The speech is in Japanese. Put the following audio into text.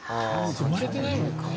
生まれてないのか。